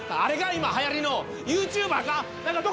今、はやりのユーチューバーか？